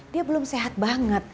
dia belum sehat banget